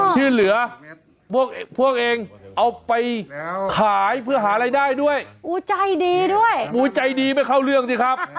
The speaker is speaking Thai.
ที่เหลือพวกเองเอาไปขายเพื่อหารายได้ด้วยอู้ใจดีด้วยอู๋ใจดีไม่เข้าเรื่องสิครับ